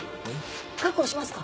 確保しますか？